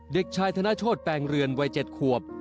เด็กชายธนโชธแปลงเรือนวัย๗ขวบ